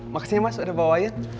makasih ya mas udah dibawain